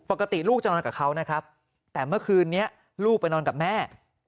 ปกติลูกจะนอนกับเขานะครับแต่เมื่อคืนนี้ลูกไปนอนกับแม่